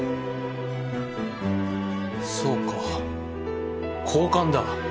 そうか交換だ。